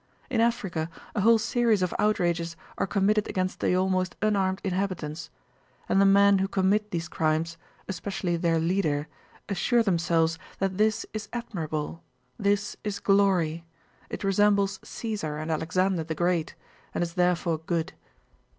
In Africa a whole series of outrages are committed against the almost unarmed inhabitants. And the men who commit these crimes, especially their leader, assure themselves that this is admirable, this is glory—it resembles Caesar and Alexander the Great and is therefore good.